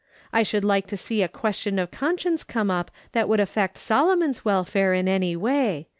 I should like to see a ques tion of conscience come up that would affect Solomon's welfare in any way.